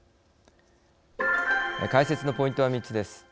解説のポイントは３つです。